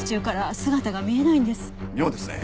妙ですね。